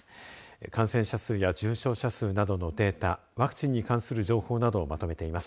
感染者数や重症者数などのデータワクチンに関する情報などをまとめています